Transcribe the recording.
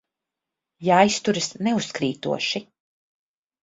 Jāizturas neuzkrītoši.